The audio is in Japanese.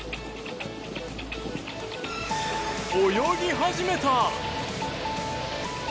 泳ぎ始めた！